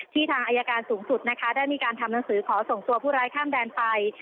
ทางอายการสูงสุดนะคะได้มีการทำหนังสือขอส่งตัวผู้ร้ายข้ามแดนไป